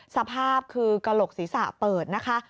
สภาพคือกระโหลกศีรษะเปิดนะคะ